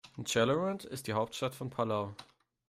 Ngerulmud ist die Hauptstadt von Palau.